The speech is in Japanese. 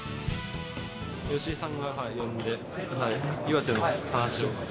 吉井さんが呼んで、岩手の話を。